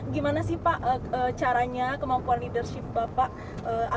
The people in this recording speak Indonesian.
gimana sih pak caranya kemampuan leadership bapak